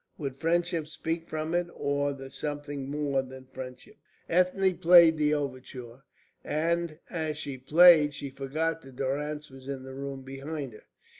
Would friendship speak from it or the something more than friendship? Ethne played the overture, and as she played she forgot that Durrance was in the room behind her.